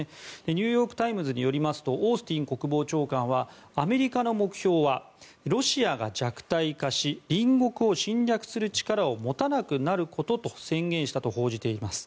ニューヨーク・タイムズによりますとオースティン国防長官はアメリカの目標はロシアが弱体化し隣国を侵略する力を持たなくなることと宣言したと報じています。